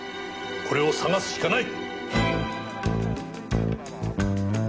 これを捜すしかない！